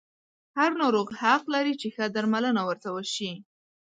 هر ناروغ حق لري چې ښه درملنه ورته وشي.